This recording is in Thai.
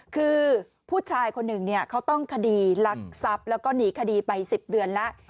คือผู้ชายคนหนึ่งเนี่ยเขาต้องคดีหลักซับแล้วก็หนีคดีไปสิบเดือนแล้ว